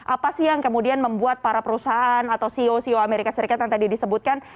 apa sih yang kemudian membuat para perusahaan atau ceo ceo amerika serikat yang tadi disebutkan